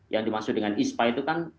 yang dimaksud dengan ispa itu kan